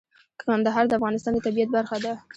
کندهار د افغانستان د طبیعت برخه ده.